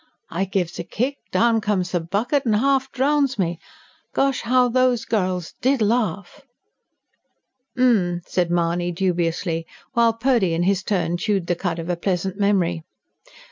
I gives a kick, down comes the bucket and half drowns me. Gosh, how those girls did laugh!" "H'm!" said Mahony dubiously; while Purdy in his turn chewed the cud of a pleasant memory.